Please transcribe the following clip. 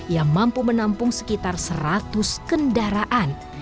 yang mampu menampung sekitar seratus kendaraan